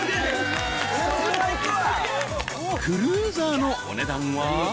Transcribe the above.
［クルーザーのお値段は］